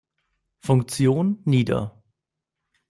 Funktion nieder.